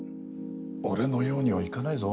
俺のようには、いかないぞ。